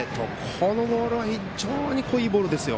このボールは非常にいいボールですよ。